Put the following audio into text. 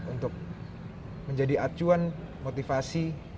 untuk menjadi acuan motivasi